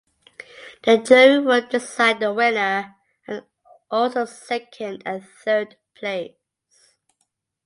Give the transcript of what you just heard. A jury will decide the winner and also second and third place.